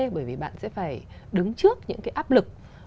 bởi vì bạn sẽ phải đứng trước những cái áp lực